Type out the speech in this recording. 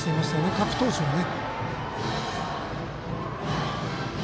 各投手がね。